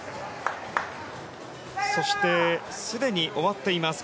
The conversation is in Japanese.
そして、すでに終わっています